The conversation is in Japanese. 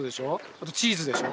あとチーズでしょ